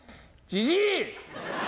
じじい！